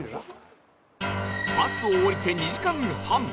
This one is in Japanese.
バスを降りて２時間半